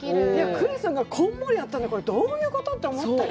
クレソンがこんもりあったの、どういうこと！？って思ったら。